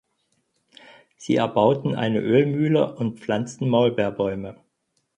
Sie erbauten eine Ölmühle und pflanzten Maulbeerbäume.